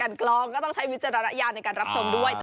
กลองก็ต้องใช้วิจารณญาณในการรับชมด้วย